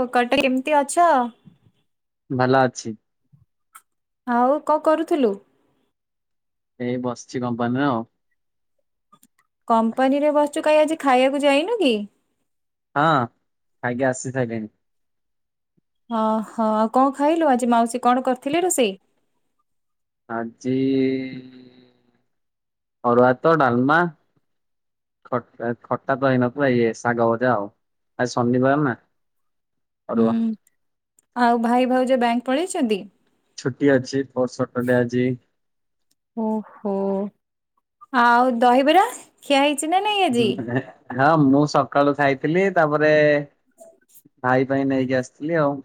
ଓ କଟରି କେମତି ଅଛ? ଭଲ ଅଛି। ଆଉ କଣ କରୁଥିଲୁ? ଏଇ ବସିଛି କମ୍ପାନୀର। କମ୍ପାନୀ ରେ ବସଛୁ କାଇଁ ଆଜି ଖାଇବାକୁ ଯାଇନୁ କି? ହଁ ଖାଇକି ଆସି ସାଇଲିଣି। ହଁ, ହଁ ଆଉ କଣ ଖାଇଲୁ? ଆଜି ମାଉସୀ କଣ କରିଥିଲେ ରୋଷେଇ? ଆଜି ଅରୁଆ ଭାତ ଡାଲମା ଖଟ ଆ, ଖଟା ତ ହେଇନଥିବ ଇଏ ଶାଗ ଭଜା ଆଉ। ଆଜି ଶନିିବର ନା। ଅରୁଆ। ହୁଁ ଆଉ ଭାଇ ଭାଉଜ ବ୍ୟାଙ୍କ୍ ପଳେଇଛନ୍ତି? ଛୁଟି ଅଛି ଫୋର୍ ସଟର ଡେ ଆଜି। ଓହୋ! ଆଉ ଦହିବରା ଖିଆ ହେଇଛି ନା ନାଇଁ? ଆଜି? [inaudible] ହଁ ମୁଁ ସକାଳୁ ଖାଇଥିଲି। ତାପରେ ଭାଇ ପାଇଁ ନେଇକି ଆସିଥିଲି ଆଉ।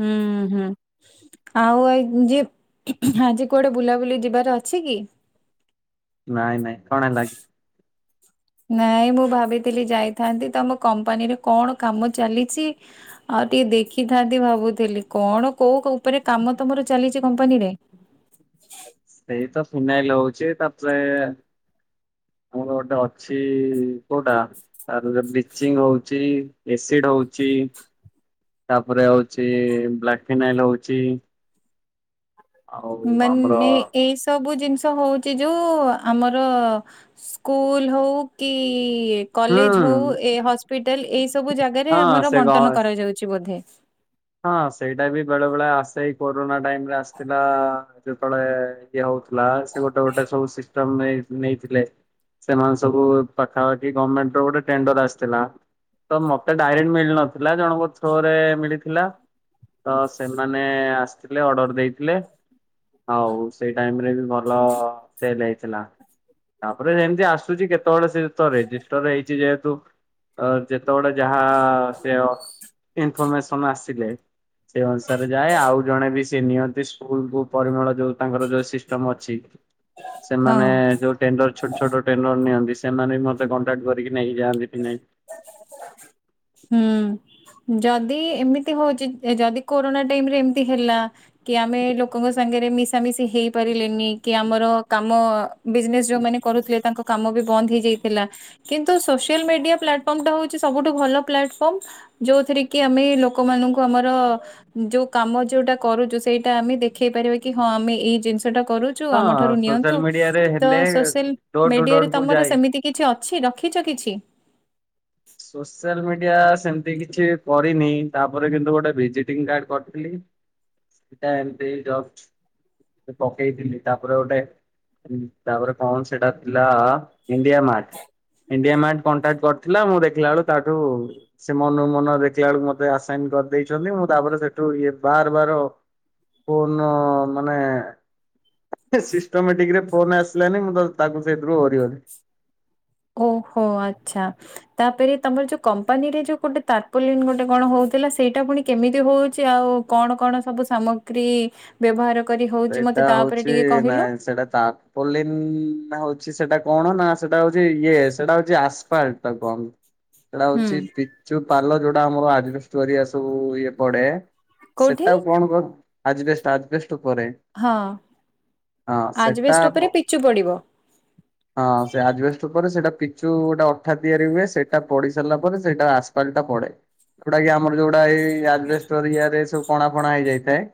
ହୁଁ, ହୁଁ। ଆଉ ଏଇ ଉଁ, ଯେ ଆଜି କୁଆଡେ ବୁଲାବୁଲି ଯିବାର ଅଛି କି? ନାଇଁ ନାଇଁ କଣ ହେଲା କି? ନାଇଁ ମୁଁ ଭାବିଥିଲି ଯାଇଥାନ୍ତି। ତୋମ କମ୍ପାନୀରେ କଣ କାମ ଚାଲିଛି ଆଉ ଟିକେ ଦେଖିଥାନ୍ତି ଭାବୁଥିଲି। କଣ କୋଉ କ-ଉପରେ କାମ ତୋମର ଚାଲିଛି କମ୍ପାନୀରେ? ସେଇ ତ ଫିନାଇଲ ହଉଛି। ତାପରେ ଆମର ଗୋଟେ ଅଛି କୋଉଟା ଆରୁ ଆ ବ୍ଲିଚିଙ୍ଗ ହଉଛି। ଏସିଡ ହଉଛି। ତାପରେ ହଉଛି ବ୍ଲାକ୍ ଫିନାଇଲ୍ ହଉଛି। ଆଉ ଆମର ମାନେ ଏଇ ସବୁ ଜିନିଷ ହଉଚି ଯୋଉ ଆମର ସ୍କୁଲ୍ ହଉ କି ଇଏ ହୁଁ କଲେଜ୍ ହଉ ଏ ହସ୍ପିଟାଲ୍ ଏଇ ସବୁ ଜାଗାରେ ହଁ ଆମର ସେ ଗ ବଣ୍ଟନ କରାଯାଉଛି ବୋଧେ। ହଁ ସେଇଟା ବି ବେଳେ ବେଳେ ଆସେ ଏଇ କୋରୋନା ଟାଇମ୍ ରେ ଆସିଥିଲା। ଯେତେବେଳେ ଇଏ ହଉଥୁଲା ସେ ଗୋଟେ ଗୋଟେ ସବୁ ସିଷ୍ଟମ ନେଇ ନେଇଥିଲେ। ସେମାନେ ସବୁ ପାଖାପାଖି ଗମେଣ୍ଟ ର ଗୋଟେ ଟେଣ୍ଡର୍ ଆସିଥିଲା। ତ ମୋତେ ଡାଇରେକ୍ଟ ମିଳିନଥିଲା ଜଣକ ଥ୍ରରେ ମିଳିଥି ଲା, ତ ସେମାନେ ଆସିଥିଲେ ଅର୍ଡର ଦେଇଥିଲେ। ଆଉ ସେଇ ଟାଇମ୍ ରେ ବି ଭଲ ସେଲ୍ ହେଇଥିଲା। ତାପରେ ସେମିତି ଆସୁଚି କେତେବେଳେ ସେ ତ ରେଜିଷ୍ଟର ହେଇଛି ଯେହେତୁ ଯେତେବେଳେ ଯାହା ସେ ଇନଫରମେସନ ଆସିଲେ। ସେ ଅନୁସାରେ ଯାଏ ଆଉ ଜଣେ ବି ସେ ନିଅନ୍ତି ସ୍କୁଲକୁ ପରିମଳ ଯୋଉ ତାଙ୍କର ଯୋଉ ସିଷ୍ଟମ ଅଛି। ସେମାନେ ହଁ। ଯୋଉ ଟେଣ୍ଡର ଛୋଟ ଛୋଟ ଟେଣ୍ଡର ନିଅନ୍ତି ସେମାନେ ବି ମତେ କଣ୍ଟାକ୍ଟ କରିକି ନେଇକି ଯାଆନ୍ତି ନାଇ ହୁଁ ଯଦି ଏମିତି ହୋଉଚି ଯଦି କୋରୋନା ଟାଇମ ରେ ଏମିତି ହେଲା। କି ଆମେ ଲୋକଙ୍କ ସାଙ୍ଗେରେ ମିଶାମିଶି ହେଇ ପାରିଲେନି କି ଆମର କାମ ବିଜନେସ୍ ଯୋଉ ମାନେ କରୁଥିବେ ତାଙ୍କ କାମ ବି ବନ୍ଦ୍ ହେଇ ଯାଇଥିଲା। କିନ୍ତୁ ସୋସିଆଲ୍ ମିଡିଆ ପ୍ଲାଟଫର୍ମ ଟା ହୋଉଚି ସବୁଠୁ ଭଲ ପ୍ଲାଟଫର୍ମ। ଯୋଉଥିରେ କି ଆମେ ଲୋକମାନଙ୍କୁ ଆମର ଯୋଉ କାମ ଯୋଉଟା କରୁଚୁ ସେଇଟା ଆମେ ଦେଖେଇ ପାରିବା କି ହଁ ଆମେ ଏଇ ଜିନିଷ ସେଟା କରୁୁଚୁ ହଁ ଆମ ଠାରୁ ସୋସିଆଲ ନିଅନ୍ତୁ, ମିଡିଆରେ ତ ହେଲେ social door to media door ରେ କୁ ତମର ଯାଏ ସମିତି କି? କିଛି ଅଛି ରଖିଚ କିଛି? ସୋସିଆଲ୍ ମିଡିଆ ସେମତି କିଛି କରିନି, ତାପରେ କିନ୍ତୁ ଗୋଟେ ଭିଜିଟିଂ କାର୍ଡ କରିଥିଲି। [inaudible] ସେଟା ଏମତି ଜଷ୍ଟ ପକେଇଥିଲି ତାପରେ ଗୋଟେ ତାପରେ କଣ ସେଟା ଥିଲା ଇଣ୍ଡିଆ ଇଣ୍ଡିଆ ମ୍ୟାଚ୍ କଣ୍ଟାକ୍ଟ କରିଥିଲା ମୁଁ ଦେଖିଲା ବେଳୁ ତା ଠୁ ସେ ମନୁକୁ ମନ ଦେଖିଲା ବେଳକୁ ମତେ ଆସାଇନ୍ କରି ଦେଇଚନ୍ତି ମୁଁ ତାପରେ ସେଠୁ ଇଏ ବାର ବାର [unintelligible] ସିଷ୍ଟମଟିକରେ ଫୋନ ଆସିଲାନି ମୁଁ ତ ତାକୁ ସେଥିରୁ ଓରିଗଲି। ଓହୋ ଆଚ୍ଛା। ତାପରେ ତମର ଯୋଉ କମ୍ପାନୀରେ ଯୋଉ ଗୋଟେ ତାରପୋଲିନ୍ ଗୋଟେ କଣ ହୋଉଥିଲା ସେଇଟା ପୁଣି କେମିତି ହୋଉଚି ଆଉ କଣ କଣ ସବୁ ସାମଗ୍ରୀ ବ୍ୟବହାର କରି ହୋଉଚି ସେଇଟା ମତେ ତା ଉପରେ ହଉଛି ଟିକେ ନାଇଁ ସେଇଟା ତା ପଲିନ୍ ନା ହୋଉଚି ସେଟା କଣ ନା ସେଟା ହୋଉଚି ଇଏ ସେଟା ହୋଉଚି ଆସ୍ପାଟ୍ କହନ୍ତି। ସେଇଟା ହୁଁ। ହୋଉଚି ପିଚୁ ପାଲ ଯୋଉଟା ଆମର ଆଜବେଷ୍ଟଟ୍ ପରିକା ସବୁ ଇଏ ପଡ଼େ। କୋଉଠି? ସେଟା କୁ କଣ କହନ୍ତି ଆଜବେଷ୍ଟସ ଆଜବେଷ୍ଟସ ଉପରେ ହଁ ହଁ ସେଟା ଆଜବେଷ୍ଟ ଉପରେ ପିଚୁ ପଡିବ। ହଁ ସେ ଆଜବେଷ୍ଟ ପରେ ସେଟା ପିଚୁ ଗୋଟେ ଅଠା ତିଆରି ହୁଏ, ସେଟା ପଢି ସାରିଲା ପରେ ସେଇଟା ଆସେ। ପଲଟା ପଡେ। ଏଗୁଡାକ ଆମର ଯୋଉଡା ଏଇ ଆଜବେଷ୍ଟ୍ ରେ ସବୁ କଣା ଫଣା ହେଇ ଯାଇଥାଏ।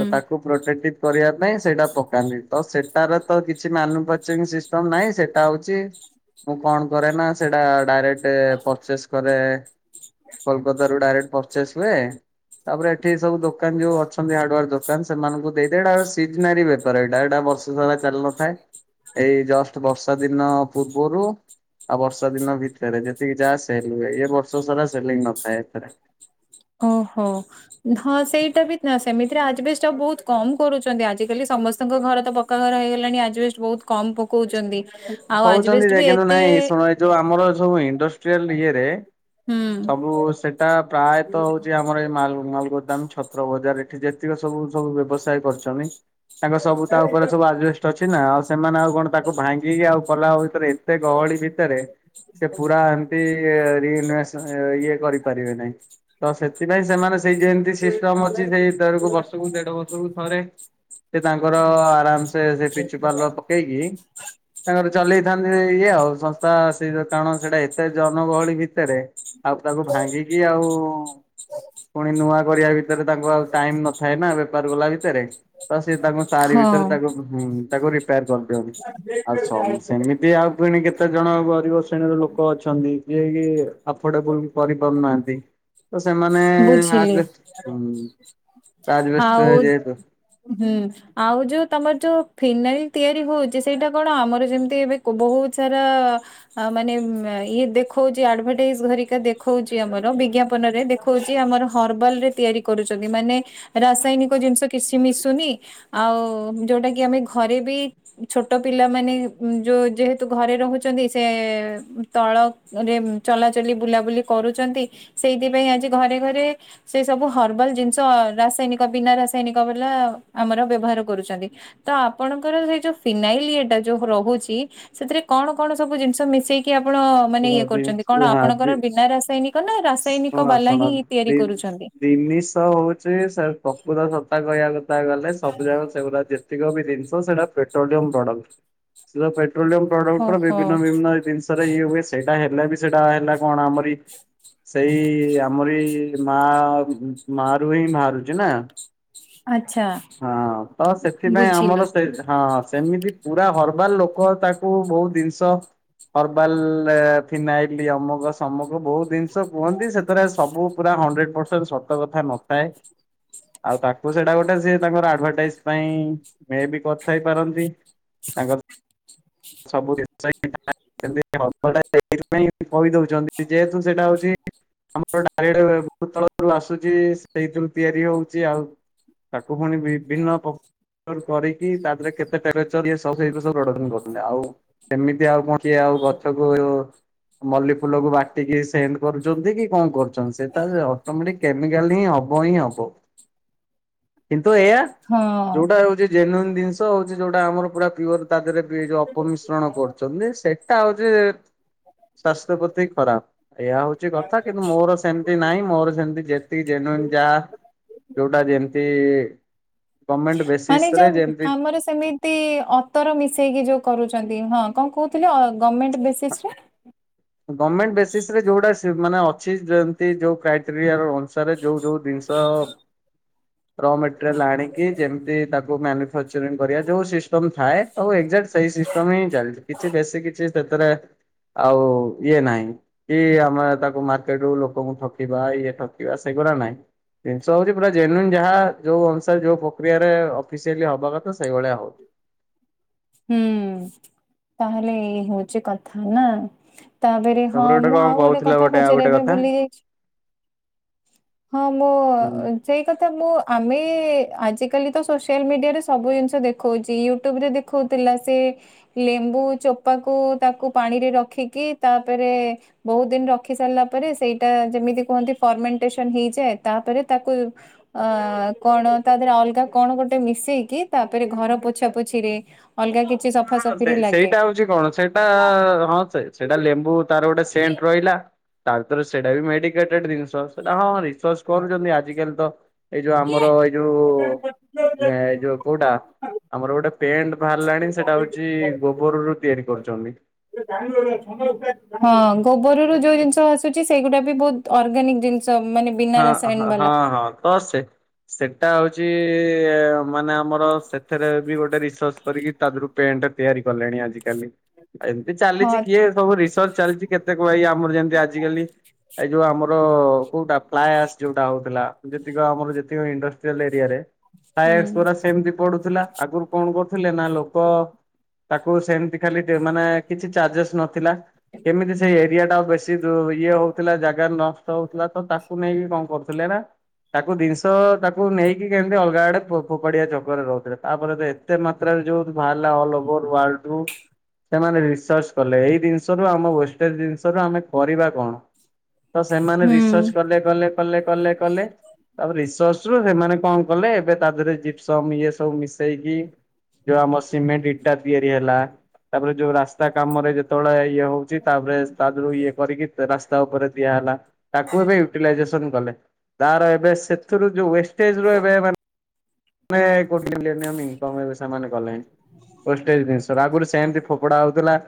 ତ ତାକୁ [unintelligible] କରିବା ପାଇଁ ସେଟା ପକାନ୍ତି ତ ସେଟାର ତ କିଛି ମାନୁଫେଚନ ସିସ୍ ତ ନାଇଁ ସେଟା ହୋଉଚି? ମୁଁ କଣ କରେ ନା, ସେଇଟା ଡାରେକ୍ଟ ପଚେସ୍ କରେ। କୋଲକତା ରୁ ଡାରେକ୍ଟ ପଚେସ୍ ହୁଏ। ତାପରେ ଏଠି ସବୁ ଦୋକାନ ଯୋଉ ଅଛନ୍ତି ହାର୍ଡୱାର୍କ ଦୋକାନ ସେମାନଙ୍କୁ ଦେଇ ଦିଏ ହେରା ସିଜନାରୀ ବେପାର ଏଇଟା ଏଇଟା ବର୍ଷ ସାରା ଚାଲୁନଥାଏ। ଏଇ ଜଷ୍ଟ୍ ବର୍ଷା ଦିନ ପୂର୍ବରୁ ଆଉ ବର୍ଷା ଦିନ ଭିତରେ ଯେତିକି ଯାହା ସେଲ୍ ହୁଏ। ଏ ବର୍ଷ ସାରା ସେଲିଙ୍ଗ ନଥାଏ ଏଥିରେ। ଓଃ ହୋ। ହଁ ସେଇଟା ବି ନା ସେମିତିରେ ଆଜବେଷ୍ଟ ବୋହୁତ୍ କମ୍ କରୁଚନ୍ତି ଆଜିକାଲି ସମସ୍ତଙ୍କ ଘର ତ ପକ୍କା ଘର ହେଇଗଲାଣି ଆଜବେଷ୍ଟ୍ ବୋହୁତ୍ କମ୍ ପକୋଉଚନ୍ତି। କୋହୁଚନ୍ତି ଯେ ନାଇ ଶୁଣ ଏଇ ଯୋଉ ଇଣ୍ଡଷ୍ଟିଆଲ୍ ଇଏଯେ ହୁଁ ସବୁ ସେଟା ପ୍ରାୟତଃ ହୋଉଚି ଆମର ଏଇ ମାଲ୍ ମାଲ୍ ଗୋଦାମ ଛତୁ ବଜାର ଏଠି ଯେତିକି ସବୁ ସବୁ ବ୍ୟବସାୟ କରୁଚନ୍ତି ତାଙ୍କ ସବୁ ତା ଉପରେ ସବୁ ଆଜବେଷ୍ଟ୍ ଅଛି ନା ଆଉ ସେମାନେ ଆଉ କଣ ତାକୁ ଭାଙ୍ଗି ଆଉ ଗଲା ଆଉ ଭିତରେ ଏତେ ଗହଳି ଭିତରେ ସେ ପୁରା ଏ ରିଇ ରିଏନିବେସନ୍ ଇଏ କରିପାରିବେନି ନାହିଁ ତ ସେଥିପାଇଁ ସେଇ ଯେମିତି ସିଷ୍ଟମ୍ ଅଛି ସେଇ ତରକୁ ବର୍ଷକୁ ଦେଢ଼ ବର୍ଷ ସେ ତାଙ୍କର ଆରାମ୍ ସେ ସେ ପିଚୁ ପାଲ ପକେଇକି ତାଙ୍କର ଚଲେଇଥାନ୍ତି ଏଇଆ ଆଉ ସଂସ୍ଥା କାରଣ ସେଇଟା ଏତେ ଜନ ଗହଳି ଆଉ ତାକୁ ଭାଙ୍ଗିକି ଆଉ ପୁଣି ନୂଆ କରିବା ଭିତରେ ତାଙ୍କୁ ଆଉ ଟାଇମ୍ ନଥାଏ ନା? ବେପାର କଲା ଭିତେରେ ତ ସେ ତାଙ୍କୁ ତାରି ହଁ ଭିତରେ ତାକୁ ରିପେୟାର୍ କରିଦିଅନ୍ତି। ଆଉ ସବୁ ସେମିତି ଇଏ ଆଉ ଫୁଣି କେତେ ଜଣ ଗରିବ ଶ୍ରେଣୀର ଲୋକ ଅଛନ୍ତି ଯିଏ କି? କରିପାରୁନାହାନ୍ତି। ତ ସେମାନେ ଆଗ ବୁଝିଲି। ଆଉ ହୁଁ। ଆଉ ଯୋଉ ତମର ଯୋଉ ଫିନାଇଲ ତିଆରି ହଉଛି ସେଇଟା କଣ ଆମର ଯେମିତି ଏବେ ବହୁତ ସାରା ଆ ମାନେ ଇଏ ଦେଖଉଛି ଆଡଭଟାଇଜ ଧରିକା ଦେଖଉଛି ଆମର ବିଜ୍ଞାପନ ରେ ଦେଖ ହଉଛି ଆମର ହର୍ବାଲ ରେ ତିଆରି କରୁଛନ୍ତି। ମାନେ ରାସାୟନିକ ଜିନିଷ କିଛି ମିଶୁନି। ଆଉ ଯୋଉଟା କି ଆମେ ଘରେ ବି ଛୋଟ ପିଲା ମାନେ ଯୋଉ ଯେହେତୁ ଘରେ ରହୁଛନ୍ତି ସେ ତଳ ରେ ଚଲାଚଲି ବୁଲାବୁଲି କରୁଛନ୍ତି ସେଇଥିପାଇଁ ଆଜି ଘରେ ଘରେ ସେ ସବୁ ହର୍ବାଲ ଜିନିଷ ରାସାୟନିକ ବିନା ରାସାୟନିକ ବାଲା ଆମର ବ୍ୟବହାର କରୁଛନ୍ତି। ତ ଆପଣଙ୍କର ସେଇ ଯୋଉ ଫିନାଇଲ ଇଟା ଯୋଉ ରହୁଛି ସେଥିରେ କଣ କଣ ସବୁ ଜିନିଷ ମିଶେଇି କି ଆପଣ ମାନେ ଇଏ କରୁଛନ୍ତି କଣ ଆପଣଙ୍କର ଯେହେତୁ ବିନା ରାସାୟନିକ ନା ରାସାୟନିକ ଶୁଣ ବାଲା ଶୁଣ ହିଁ ତିଆରି ଦି କରୁଛନ୍ତି। ଜିନିଷ ହଉଛି ସେ ପ୍ରକତ ସତା କହିବା କଥା ଗଲେ ସବୁ ଜାକ ସେଗୁଡା ଯେତିକି ପ୍ରକିନ ସେଟା ପେଟ୍ରୋଳୟମ୍ ପ୍ରଡ଼କ୍ଟ ପେଟ୍ରୋଳୟମ୍ ପ୍ରଡକ୍ଟ ର ଓହୋ ବିଭିନ୍ନ ବିଭିନ୍ନ ଜିନିଷ ର ଇଏ ହୁଏ ସେଇଟା ହେଲେ ବି ସେଇଟା ହେଲା କଣ ଆମରି ସେଇ ଆମରି ବି ମା ମାରୁ ହିଁ ବାହାରୁଚି ନା? ଆଚ୍ଛା। ହଁ ତ ସେଥିପାଇଁ ବୁଝିଲି ଆମର ସେ ହଁ ସେମିତି ପୁରା ହରବାଲ ଲୋକ ତାକୁ ବହୁତ ଜିନିଷ ହର୍ବାଲ ଫିନାଇଲ ଅମକ ସମକ ବହୁତ ଜିନିଷ କୁହନ୍ତି ସେଥିରେ ସବୁ ପୁରା ହଣ୍ଡେଡ ପରଣ୍ଟ ସତ କଥା ନଥାଏ। ଆଉ ତାକୁ ସେଇଟା ଗୋଟେ ତାଙ୍କର ଆଡଭଟାଇଜ ପାଇଁ ମେ ବି କଥା ହେଇ ପାରନ୍ତି। ତାଙ୍କର ସବୁ [inaudible] [inaudible] କହିଦଉଛନ୍ତି ଯେହେତୁ ସେଇଟା ହଉଛି ଆମର ଚାରିଆଡେ ବହୁତ ତଳରୁ ଆସୁଛି ସେଇଥିରୁ ତିଆରି ହଉଛି ଆଉ ତାକୁ ପୁଣି ବିଭିନ୍ନ ପ [inaudible] କରିକି ତା ଦେହରେ କେତେ ଟେମ୍ପରେଚର ଇଏ ସବଇ ସବୁ ବଡ ଦିନ କରୁ ଲେ ଆଉ ସେମିତି ଆଉ କଣ ସିଏ ଆଉ ଗଛକୁ ମଲ୍ଲି ଫୁଲକୁ ବାଟିକି ସେଣ୍ଡ କରୁଛନ୍ତି କି କଣ କରୁଛନ୍ତି ସେଟ ଅଟୋମେଟିକ କେମିକାଲ ହିଁ ହବ ହିଁ ହବ। [inaudible] କିନ୍ତୁ ଏୟା ହଁ। ଯୋଉଟା ହଉଛି ଜେନୁନ୍ ଜିନିଷ ହଉଛି ଯୋଉଟା ଆମର ପୁରା ପିଓର ତା ଦେହରେ ଯୋଉ ଅପମିଶ୍ରଣ କରୁଛନ୍ତି ସେଇଟା ହଉଛି ସ୍ୱସ୍ୟ ପ୍ରତି ଖରାପ। ଏହା ହଉଛି କଥା କିନ୍ତୁ ମୋର ସେମିତି ନାଇଁ ମୋର ସେମିତି ଯେତିକି ଜନୁଭନ୍ ଯା ଯୋଉଟା ଯେମତି ମାନେ ଯ ଆମର ସେମିତି ତି ଅତର ମିଶେଇକି ଯୋଉ କରୁଛନ୍ତି ହଁ କଣ କହୁଥିଲେ ଗଭର୍ମେଣ୍ଟ ବେସିସ ରେ ଗମେଣ୍ଟ ବେସିସ ରେ ଯୋଉଟା ମାନେ ଅଛି ଯେମତି ଯୋଉ କ୍ରାଇଟେରିଆ ର ଅନର୍ଷାରେ ଯୋଉ ଯୋଉ ଜିନିଷ ରମେଟେରିଆଲ ଆଣିକି ଯେମିତି ତାକୁ ମ୍ୟାନୁଫାଚଂ କରିବା ଯଉ ଥାଏ ଆଉ ଏଯାକଟ ସେଇ ସିଷ୍ଟମ ହିଁ ଚାଲିଛି କିଛି ବେଶୀ କିଛି ସେଥିରେ ଆଉ ଇଏ ନାହିଁ କି ଆମେ ତାକୁ ମାର୍କେଟ ରୁ ଲୋକଙ୍କୁ ଠକିବା ଇଏ ଠକିବା ସେଗୁଡା ନାହିଁ। ଜିନିଷ ହଉଛି ପୁରା ଜେନୁନ୍ ଯାହା ଯୋଉ ଅନୁସାରେ ଯୋଉ ପ୍ରକ୍ରିୟାରେ ଅଫିସିଆଲି ହବ କଥା ସେଇଭଳିଆ ହଉଛି। ହୁଁ ତାହେଲେ ଏଇ ହଉଚ କଥା ନା। ତାପରେ ହଁ ମୁଁ କଣ ଆଉ ଗୋଟେ କହୁଥିଲା କଥା ଆଉ ପଚାରିବା ଗୋଟେ ଏବେ କଥା ଭୁଲି ଯାଇଛି। ହଁ ମୁଁ ହୁଁ। ସେଇ କଥା ମୁଁ ଆମେ ଆଜିକାଲି ତ ସୋସିଆଲ ମିଡିଆ ରେ ସବୁ ଜିନିଷ ଦେଖଉଛି। ୟୁଟ୍ୟୁବ ରେ ଦେଖଉଥିଲା ସେ ଲେମ୍ବୁ ଚୋପାକୁ ତାକୁ ପାଣିରେ ରଖିକି ତାପରେ ବହୁତ ଦିନ ରଖି ସାରିଲା ପରେ ସେଇଟା ଯେମିତି କୁହନ୍ତି ଫର୍ମେଣ୍ଟେସନ ହେଇଯାଏ ତାପରେ ତାକୁ ଅ କଣ ତା ଦେହରେ ଅଲଗା କଣ ଗୋଟେ ମିଶେଇକି ତାପରେ ଘର ପୋଛା ପୋଛିରେ ଅଲଗା କି ସେ ସେଇଟା ହଉଛି କଣ ସେଇଟା ହଁ ସେ ସେଇଟା ଲେମ୍ବୁ ତାର ଗୋଟେ ସେଣ୍ଟ ରହିଲା। ତା ଭିତରେ ସେଇଟା ବି ମେଡିକେଟେଡ ଜିନିଷ। ସେଟା ହଁ [unintelligible] କରୁଛନ୍ତି ଆଜିିକାଲି ତ ଏଇ ଯୋଉ ଆମର ଏଇ ଯୋଉ ଏଇ ଯୋଉ କୋଉଟା ଆମର ଗୋଟେ ପ୍ୟାଣ୍ଟ ବାହାରିଲାଣି ସେଇଟା ହଉଚି ଗୋବର ରୁ ତିଆରି କରୁଛନ୍ତି। ହଁ ଗୋବରରୁ ଯୋଉ ଜିନିଷ ଆସୁଛି ସେଇଗୁଡା ବି ବହୁତ ଅର୍ଗାନିକ ଜିନିଷ ମାନେ ବିନା ହଁ ରସାୟନ ହଁ ବାଲା। [unintelligible] ସେଟା ହଉଛି ମାନେ ଆମର ସେଥିରେ ବି ଗୋଟେ ରିସର୍ଚ କରିକି ତାଦେହ ରୁ ପେଣ୍ଟ ତିଆରି କଲେଣି ଆଜିକାଲି। ଏମିତି ଚାଲିଛି ହଁ କିଏ ସବୁ ରିସର୍ଚ ଚାଲିଛି କେତେକ ଭାଇ ଆମର ଯେମତି ଆଜିକାଲି ଏଇ ଯୋଉ ଆମର କୋଉଟା [unintelligible] ଯୋଉଟା ହଉଥିଲା ଯେତିକ ଆମର ଯେତିକ ଇଣ୍ଡଷ୍ଟ୍ରିଲ ଏରିଆରେ ହୁଁ [unintelligible] ସେମିତି ପଡୁଥିଲା। ଆଗରୁ କଣ କରୁଥିଲେ ନା ଲୋକ ତାକୁ ସେମିତି ଖାଲି ମାନେ କିଛି ଚାର୍ଜେସ୍ ନଥିଲା। କେମିତି ସେଇ ଏରିଆ ଟା ବେଶୀ ଇଏ ହଉଥିଲା ଜାଗା ନଷ୍ଟ ହଉଥିଲା। ତ ତାକୁ ନେଇକି କଣ କରୁଥିଲେ ନା ତାକୁ ଜିନିଷ ତାକୁ ନେଇକି କେମିତି ଅଲଗା ଆଡେ ଫୋପାଡିଆ ଚକରେ ରହୁଥିଲେ। ତାପରେ ଦେ ଏତେ ମାତ୍ରାରେ ଯୋଉ ବାହାରିଲା ଅଲ ଓଭର୍ ୱର୍ଲ୍ଡ ରୁ ସେମାନେ ରିସର୍ଚ୍ଚ କଲେ। ଏଇ ଜିନିଷରୁ ଆମ ୱଷ୍ଟେଜ ଜିନିଷରୁ ଆମେ କରିବା କଣ? ତ ସେମାନେ ହୁଁ। ରିସର୍ଚ କଲେ କଲେ କଲେ କଲେ କଲେ ତାପ ରିସର୍ଚ୍ଚ ରୁ ସେମାନେ କଣ କଲେ ଏବେ ତା ଦେହରେ ଜିପସମ୍ ଇଏ ସବୁ ମିଶେଇକି ଯୋଉ ଆମ ସିମେଣ୍ଟ ଇଟା ତିଆରି ହେଲା ତାପରେ ଯୋଉ ରାସ୍ତା କାମ ରେ ଯେତେବେଳେ ଇଏ ହଉଚି ତାପରେ ତା ଦେହରୁ ଇଏ କରିକି ସେ ରାସ୍ତା ଉପରେ ଦିଆ ହେଲା। ତାକୁ ଏବେ ୟୁଟିଲାଇଜେସନ କଲେ। ତାର ଏବେ ସେଥିରୁ ଯୋଉ ୱେଷ୍ଟଜ୍ ର ଏବେ ମାନେ ଆମେ [unintelligible] ଇନକମ୍ ଏବେ ସେମାନେ କଲେଣି। ୱେଷ୍ଟଜ୍ ଜିନିଷ ରୁ। ଆଗରୁ ସେମିତି ଫୋଡ଼ା ହଉଥିଲା।